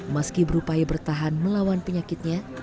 meski berupaya bertahan melawan penyakitnya